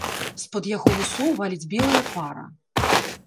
З-пад яго вусоў валіць белая пара.